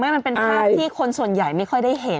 อันนี้มันเป็นความที่คนส่วนใหญ่ไม่ค่อยได้เห็น